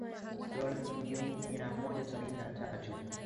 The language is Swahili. dola milioni mia moja sabini na tatu